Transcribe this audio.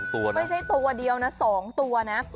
ตัวนะไม่ใช่ตัวเดียวนะ๒ตัวนะ